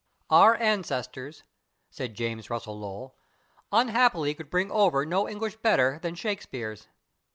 "Our ancestors," said James Russell Lowell, "unhappily could bring over no English better than Shakespeare's."